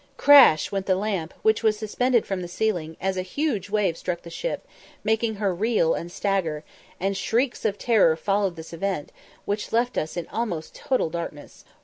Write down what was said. Crash went the lamp, which was suspended from the ceiling, as a huge wave struck the ship, making her reel and stagger, and shrieks of terror followed this event, which left us in almost total darkness.